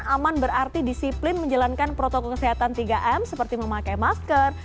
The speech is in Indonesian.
aman berarti disiplin menjalankan protokol kesehatan tiga m seperti memakai masker